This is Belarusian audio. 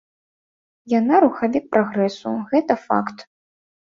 Яна рухавік прагрэсу, гэта факт.